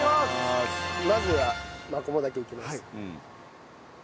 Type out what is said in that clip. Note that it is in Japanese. まずはマコモダケいきます。